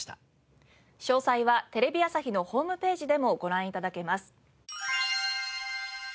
詳細はテレビ朝日のホームページでもご覧頂けます。